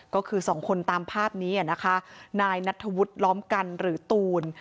ก็คือสองคนตามภาพนี้นะคะนายนัทธวุฒิล้อมกันหรือตูน